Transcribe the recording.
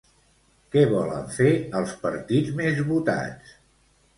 Què volen fer, els partits més votats?